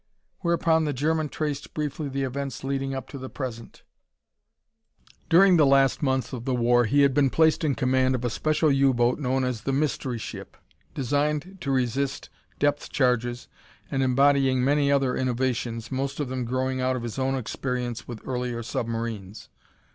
Whereupon the German traced briefly the events leading up to the present. During the last months of the war, he had been placed in command of a special U boat known as the "mystery ship" designed to resist depth charges and embodying many other innovations, most of them growing out of his own experience with earlier submarines.